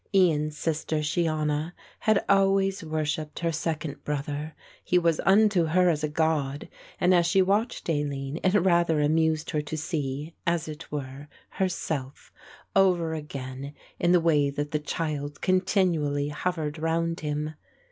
Ian's sister, Shiona, had always worshipped her second brother; he was unto her as a god, and as she watched Aline it rather amused her to see, as it were, herself, over again, in the way that the child continually hovered round him.